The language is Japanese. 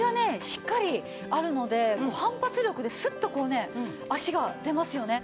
しっかりあるので反発力でスッとこうね足が出ますよね。